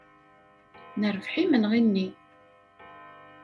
Nerbeḥ imenɣi-nni.